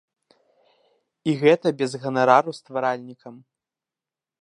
І гэта без ганарару стваральнікам.